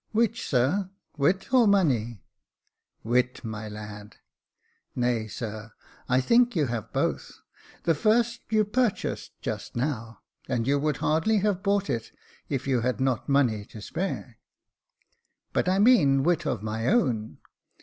" Which, sir ; wit or money ?" "Wit, my lad." "Nay, sir, I think you have both: the first you purchased just now j and you would hardly have bought it, if you had not money to spare." " But I mean wit of my own."